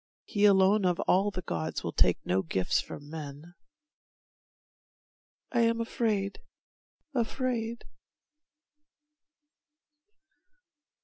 He alone Of all the gods will take no gifts from men. I am afraid, afraid.